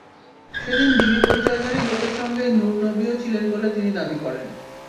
সেদিন ডিবি পরিচয়ধারী লোকের সঙ্গে নূর নবীও ছিলেন বলে তিনি দাবি করেন।